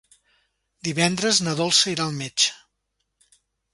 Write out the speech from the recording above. Divendres na Dolça irà al metge.